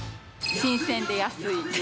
新鮮で安い。